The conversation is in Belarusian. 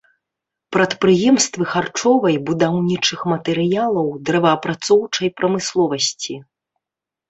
Прадпрыемствы харчовай, будаўнічых матэрыялаў, дрэваапрацоўчай прамысловасці.